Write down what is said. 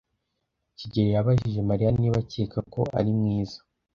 kigeli yabajije Mariya niba akeka ko ari mwiza.